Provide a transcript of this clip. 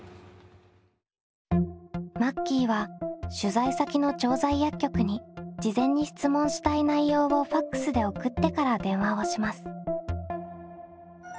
マッキーは取材先の調剤薬局に事前に質問したい内容をＦＡＸで送ってから電話をします。